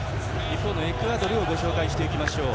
一方のエクアドルをご紹介していきましょう。